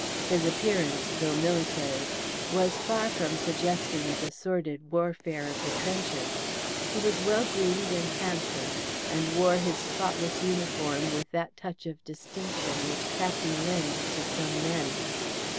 His appearance, though military, was far from suggesting the sordid warfare of the trenches. He was well groomed and handsome, and wore his spotless uniform with that touch of distinction which khaki lends to some men.